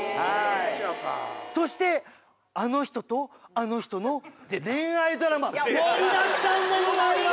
そしてあの人とあの人の恋愛ドラマ盛りだくさんでございます！